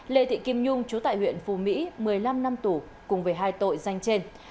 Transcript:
lê thị kim nhung chú tại huyện phú mỹ một mươi năm năm tù cùng về hai tội danh trên